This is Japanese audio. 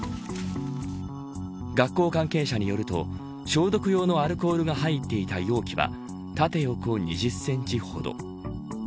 学校関係者によると消毒用のアルコールが入っていた容器は縦横２０センチほど。